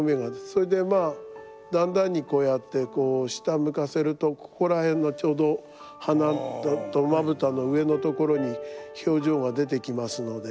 それでまあだんだんにこうやっててこう下向かせるとここら辺のちょうど鼻とまぶたの上のところに表情が出てきますので。